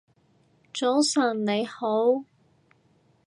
早晨你好